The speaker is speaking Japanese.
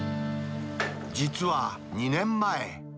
実は２年前。